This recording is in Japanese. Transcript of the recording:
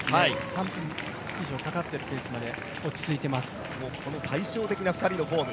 ３分ぐらいかかっているペースなので対照的な２人のフォーム。